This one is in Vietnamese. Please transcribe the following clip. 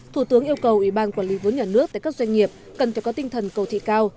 thủ tướng yêu cầu ủy ban quản lý vốn nhà nước tại các doanh nghiệp cần phải có tinh thần cầu thị cao